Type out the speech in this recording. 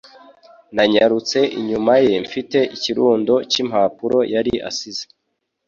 Nanyarutse inyuma ye mfite ikirundo cy'impapuro yari asize